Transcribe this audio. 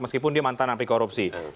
meskipun dia mantan api korupsi